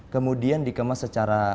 kemudian dikemas secara